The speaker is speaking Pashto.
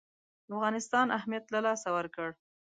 افغانستان اهمیت له لاسه ورکړ.